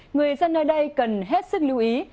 người dân nơi đây cần hết sức lưu ý